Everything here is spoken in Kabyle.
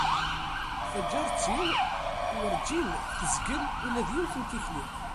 Taǧert-iw urǧin tezgil ula d yiwet n tikli.